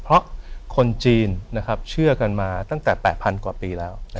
เพราะคนจีนเชื่อกันมาตั้งแต่๘๐๐กว่าปีแล้ว